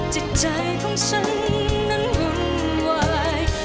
จิตใจของฉันนั้นวุ่นวาย